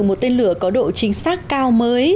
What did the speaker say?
một tên lửa có độ chính xác cao mới